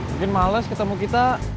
mungkin males ketemu kita